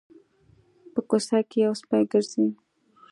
په کوڅه کې یو سپی ګرځي